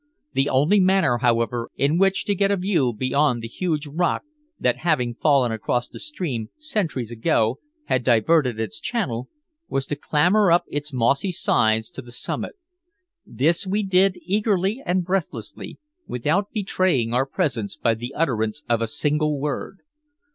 The only manner, however, in which to get a view beyond the huge rock that, having fallen across the stream centuries ago, had diverted its channel, was to clamber up its mossy sides to the summit. This we did eagerly and breathlessly, without betraying our presence by the utterance of a single word.